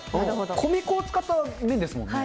米粉を使った麺ですもんね。